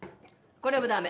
これもダメ。